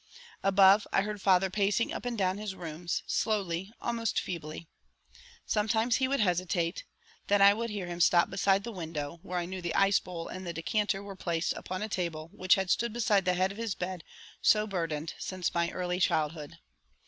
Above, I heard father pacing up and down his rooms, slowly, almost feebly. Sometimes he would hesitate; then I would hear him stop beside the window, where I knew the ice bowl and the decanter were placed upon a table which had stood beside the head of his bed so burdened since my early childhood.